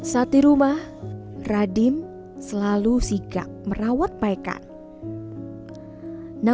sati rumah radim selalu sigak merawat paekan